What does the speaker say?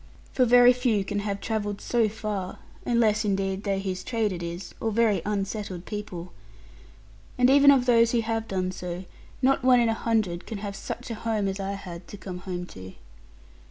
For very few can have travelled so far, unless indeed they whose trade it is, or very unsettled people. And even of those who have done so, not one in a hundred can have such a home as I had to come home to.